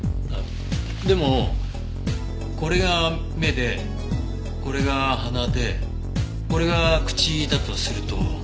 あっでもこれが目でこれが鼻でこれが口だとすると。